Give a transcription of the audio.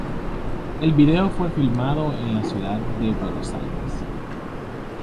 El video fue filmado en la ciudad de Buenos Aires.